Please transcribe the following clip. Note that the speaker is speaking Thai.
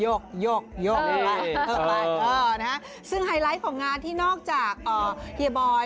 โยกโยกไปเออนะฮะซึ่งไฮไลท์ของงานที่นอกจากเฮียบอย